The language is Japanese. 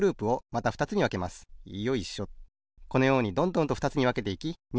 このようにどんどんとふたつにわけていき２